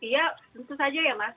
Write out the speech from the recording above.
iya tentu saja ya mas